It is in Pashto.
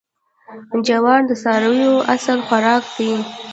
جوار د څارویو اصلي خوراک دی.